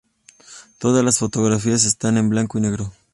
Todas las fotografías esta en Blanco y negro.